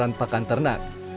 pembuatan pakan ternak